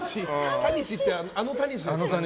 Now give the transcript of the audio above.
タニシってあのタニシですよね。